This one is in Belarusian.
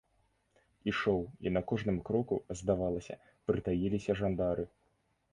Ішоў і на кожным кроку, здавалася, прытаіліся жандары.